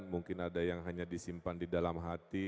mungkin ada yang hanya disimpan di dalam hati